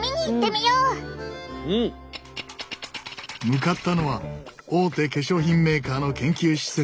向かったのは大手化粧品メーカーの研究施設。